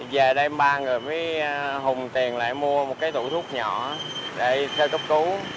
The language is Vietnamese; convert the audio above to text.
về đêm ba người mới hùng tiền lại mua một cái tủ thuốc nhỏ để sơ cấp cứu